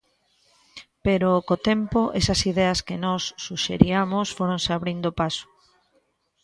Pero, co tempo, esas ideas que nós suxeriamos fóronse abrindo paso.